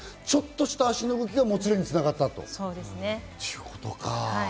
ちょっとした足の動きがもつれに繋がったということか。